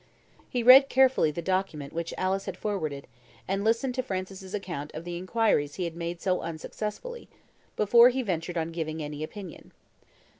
He read carefully the document which Alice had forwarded, and listened to Francis's account of the inquiries he had made so unsuccessfully, before he ventured on giving any opinion.